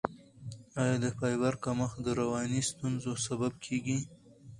آیا د فایبر کمښت د رواني ستونزو سبب کیږي؟